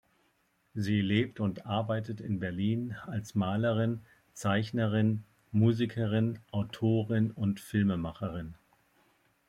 Sie lebt und arbeitet in Berlin als Malerin, Zeichnerin, Musikerin, Autorin und Filmemacherin.